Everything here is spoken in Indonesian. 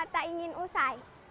tak ingin usai